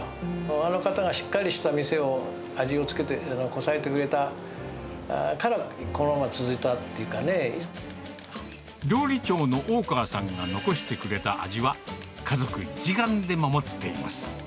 あの方がしっかりした店を、味を付けて、こさえてくれたから、料理長の大川さんが残してくれた味は、家族一丸で守っています。